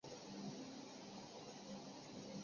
属内蒙古自治区伊克昭盟。